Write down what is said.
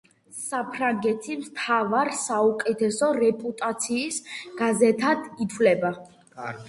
საფრანგეთის მთავარ, საუკეთესო რეპუტაციის გაზეთად ითვლება.